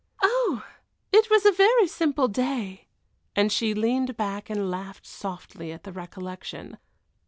"Oh! it was a very simple day," and she leaned back and laughed softly at the recollection.